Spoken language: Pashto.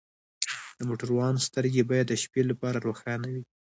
د موټروان سترګې باید د شپې لپاره روښانه وي.